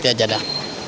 tidak ada jawaban